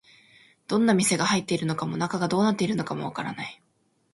どんな店が入っているのかも、中がどうなっているのかもわからない